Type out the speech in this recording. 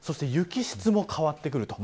そして、雪質も変わってくる。